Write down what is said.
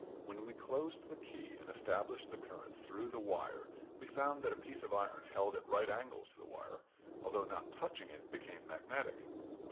When we closed the key and established the current through the wire we found that a piece of iron held at right angles to the wire, although not touching it, became magnetic.